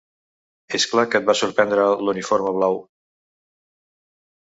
És clar que et va sorprendre l'uniforme blau.